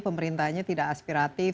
pemerintahnya tidak aspiratif